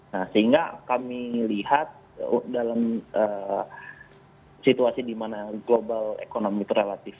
nah sehingga kami lihat dalam situasi di mana global economy itu relatif